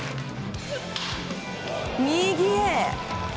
右へ！